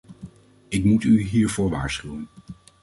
Ik moet u hiervoor waarschuwen!